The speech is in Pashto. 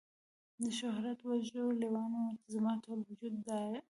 د شهوت وږو لیوانو، زما ټول وجود داړلي